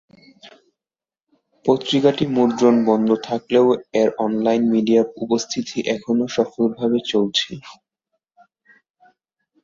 পত্রিকাটির মুদ্রণ বন্ধ থাকলেও এর অনলাইন মিডিয়া উপস্থিতি এখনও সফলভাবে চলছে।